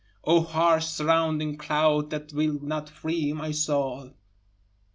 O harsh surrounding cloud that will not free my soul.